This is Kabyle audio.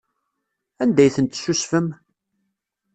Anda ay tent-tessusfem?